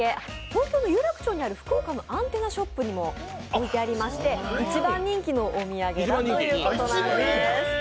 東京の有楽町にある福岡のアンテナショップも置いてありまして一番人気のお土産だということなんです。